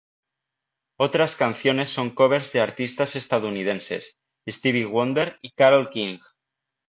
Otras canciones son covers de artistas estadounidenses, Stevie Wonder y Carole King.